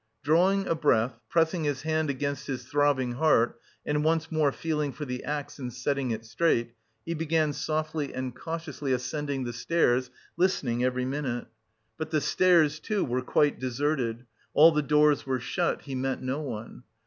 Drawing a breath, pressing his hand against his throbbing heart, and once more feeling for the axe and setting it straight, he began softly and cautiously ascending the stairs, listening every minute. But the stairs, too, were quite deserted; all the doors were shut; he met no one.